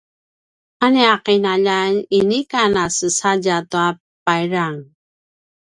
a nia ’inaljan inika nasecadja tua payrang